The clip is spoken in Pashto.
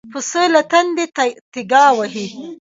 پسه له تندې تيګا وهي.